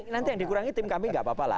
nanti yang dikurangi tim kami nggak apa apa lah